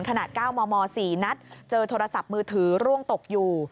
ขนาด๙มม๔นัดเจอโทรศัพท์มือถือร่วงตกอยู่